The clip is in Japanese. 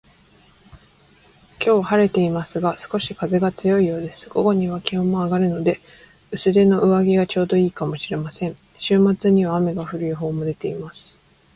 今日は晴れていますが、少し風が強いようです。午後には気温も上がるので、薄手の上着がちょうど良いかもしれません。週末には雨が降る予報も出ています